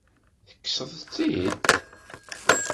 Tekkseḍ-t-id?